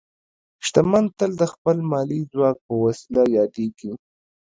شتمن تل د خپل مالي ځواک په وسیله یادېږي.